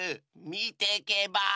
みてけばあ？